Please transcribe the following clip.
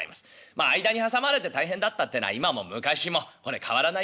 まあ間に挟まれて大変だったってのは今も昔もこれ変わらないようでございますけれども。